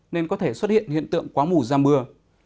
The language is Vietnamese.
nên có thể xuất hiện hiện tượng quá mù ra mưa